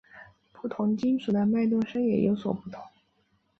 不同金属的脉动声也有所不同。